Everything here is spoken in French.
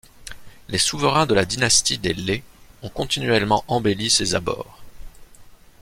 Les souverains de la dynastie des Lê ont continuellement embelli ses abords.